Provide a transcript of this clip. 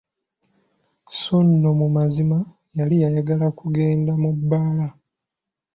Sso nno mu mazima yali ayagala kugenda mu bbaala!